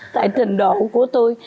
tại trình độ của tôi